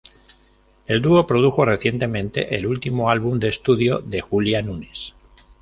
El dúo produjo recientemente el último álbum de estudio de Julia Nunes.